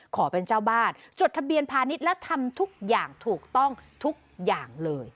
ขอเป็นเจ้าบ้านจดทะเบียนพาณิชย์และทำทุกอย่างถูกต้องทุกอย่างเลย